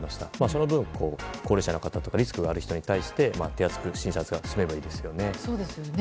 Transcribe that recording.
その分、高齢者の方やリスクがある方に対して手厚く診察が進めばいいですよね。